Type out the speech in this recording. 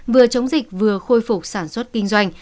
vừa chống dịch vừa khôi phục sản xuất kinh doanh